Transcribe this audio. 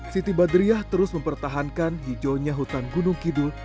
siti badriah terus mempertahankan hijaunya hutan gunung kidul